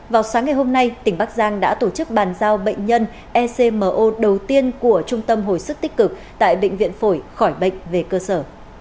vào sáng ngày hôm nay tỉnh bắc giang đã tổ chức bàn giao bệnh nhân ecmo đầu tiên của trung tâm hồi sức tích cực tại bệnh viện phổi khỏi bệnh về cơ sở